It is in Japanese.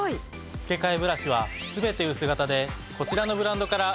付替ブラシはすべて薄型でこちらのブランドから選べます。